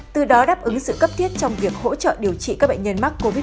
từ đó đáp ứng sự cấp thiết trong việc hỗ trợ điều trị các bệnh nhân mắc covid một mươi chín